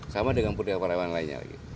sama dengan pendekatan para lewan lainnya lagi